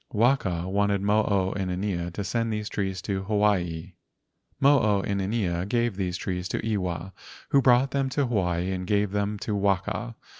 Waka wanted Mo o inanea to send these trees to Hawaii. Mo o inanea gave these trees to Iwa, who brought them to Hawaii and gave them to Waka.